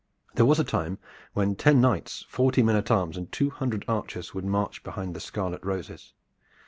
There was a time when ten knights, forty men at arms and two hundred archers would march behind the scarlet roses.